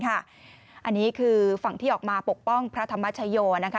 อันนี้คือฝั่งที่ออกมาปกป้องพระธรรมชโยนะคะ